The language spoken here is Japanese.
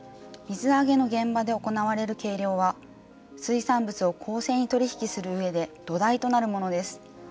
水揚げの現場で行われる計量は水産物を公正に取り引きする上で土台となるものです。